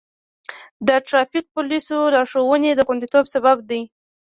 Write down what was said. د ټرافیک پولیسو لارښوونې د خوندیتوب سبب دی.